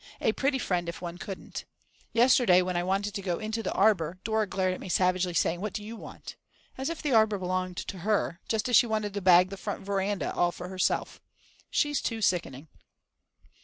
A pretty friend if one couldn't. Yesterday when I wanted to go into the arbour Dora glared at me savagely, saying What do you want? As if the arbour belonged to her, just as she wanted to bag the front veranda all for herself. She's too sickening.